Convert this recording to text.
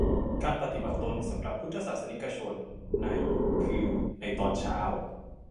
การปฏิบัติตนสำหรับพุทธศาสนิกชนใน คือ ในตอนเช้า